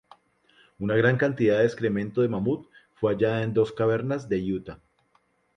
Una gran cantidad de excremento de mamut fue hallada en dos cavernas de Utah.